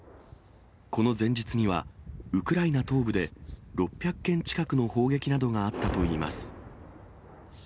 この前日には、ウクライナ東部で６００件近くの砲撃などがあったといいます。